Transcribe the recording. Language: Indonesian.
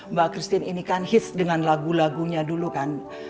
mbak christine ini kan hits dengan lagu lagunya dulu kan